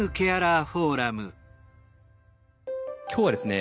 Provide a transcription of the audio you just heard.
今日はですね